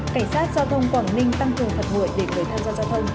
cảnh sát giao thông quảng ninh tăng cường thật mũi để người tham gia giao thông